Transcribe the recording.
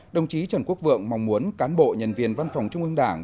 đồng chí trần quốc vượng mong muốn cán bộ nhân viên văn phòng trung ương đảng